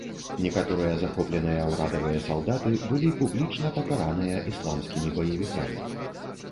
Некаторыя захопленыя ўрадавыя салдаты былі публічна пакараныя ісламскімі баевікамі.